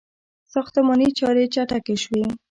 • ساختماني چارې چټکې شوې.